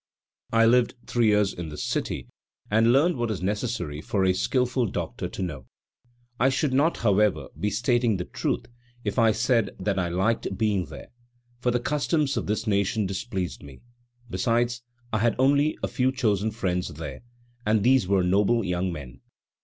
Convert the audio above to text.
I lived three years in this city, and learned what is necessary for a skilful doctor to know. I should not, however, be stating the truth if I said that I liked being there, for the customs of this nation displeased me; besides, I had only a few chosen friends there, and these were noble young men.